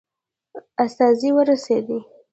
استازی ورسېدی.